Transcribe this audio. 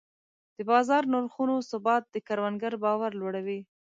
د بازار نرخونو ثبات د کروندګر باور لوړوي.